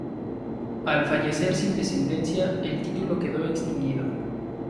Al fallecer sin descendencia, el Título quedó extinguido.